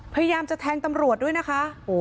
พยายามจะแทงตำรวจด้วยนะคะ